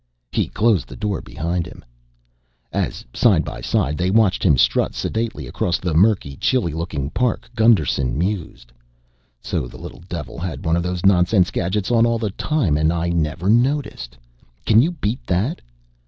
He closed the door behind him. As side by side they watched him strut sedately across the murky chilly looking park, Gusterson mused, "So the little devil had one of those nonsense gadgets on all the time and I never noticed. Can you beat that?"